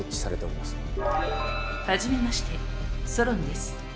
初めましてソロンです。